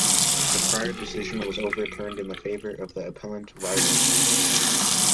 The prior decision was overturned in favour of the appellant Rylands.